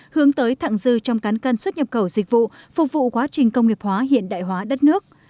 hướng tới thẳng dư trong cán cân xuất nhập khẩu dịch vụ phục vụ quá trình công nghiệp hóa hiện đại hóa đất nước